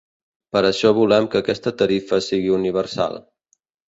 Per això volem que aquesta tarifa sigui universal.